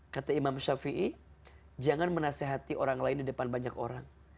kata imam shafiei jangan menasehati orang lain di depan banyak orang